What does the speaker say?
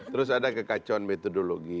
terus ada kekacauan metodologi